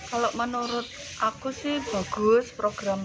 kalau menurut aku sih bagus program